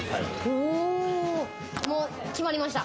もう決まりました。